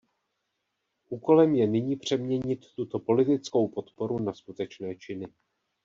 Úkolem je nyní přeměnit tuto politickou podporu na skutečné činy.